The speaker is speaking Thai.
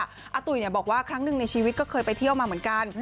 อาตุ๋ยบอกว่าครั้งหนึ่งในชีวิตก็เคยไปเที่ยวมาเหมือนกัน